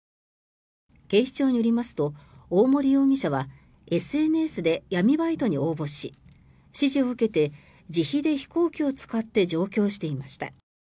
警視庁によりますと大森容疑者はＳＮＳで闇バイトに応募し指示を受けて自費で飛行機を使って上京していました。